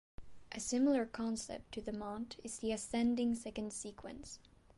A similar concept to the Monte is the ascending second sequence.